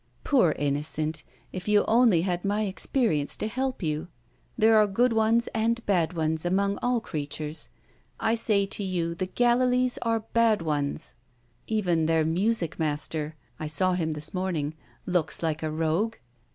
"Poor innocent, if you only had my experience to help you! There are good ones and bad ones among all creatures. I say to you the Gallilees are bad ones! Even their music master (I saw him this morning) looks like a rogue.